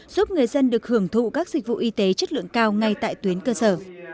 giúp người dân được hưởng thụ các dịch vụ y tế chất lượng cao ngay tại tuyến cơ sở